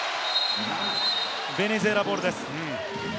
ベネズエラボールです。